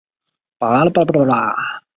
本循环于西班牙格拉诺列尔斯举行。